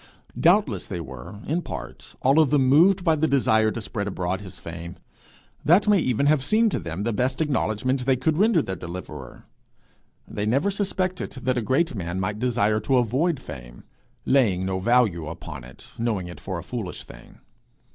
Doubtless they were, in part, all of them moved by the desire to spread abroad his fame; that may even have seemed to them the best acknowledgment they could render their deliverer. They never suspected that a great man might desire to avoid fame, laying no value upon it, knowing it for a foolish thing.